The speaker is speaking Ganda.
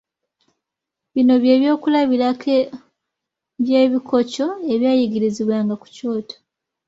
Bino by'ebyokulabirako by'ebikokyo ebyayigirizibwanga ku kyoto.